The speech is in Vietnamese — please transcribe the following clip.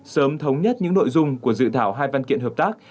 sớm thống nhất những nội dung của dự thảo hai văn kiện hợp tác